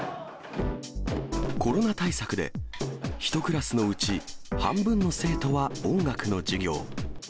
コロナ対策で、１クラスのうち半分の生徒は音楽の授業。